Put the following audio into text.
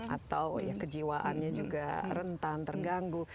atau ya kejiwaannya juga rentan terganggu